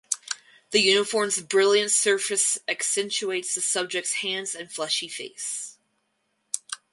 The uniform’s brilliant surface accentuates the subject’s hands and fleshy face.